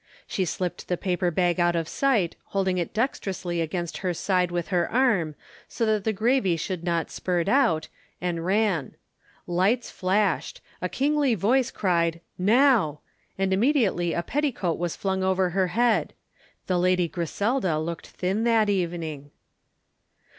She slipped the paper bag out of sight, holding it dexterously against her side with her arm, so that the gravy should not spurt out, and ran. Lights flashed, a kingly voice cried "Now!" and immediately a petticoat was flung over her head. (The Lady Griselda looked thin that evening.)